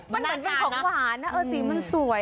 มันเป็นของหวานสีมันสวย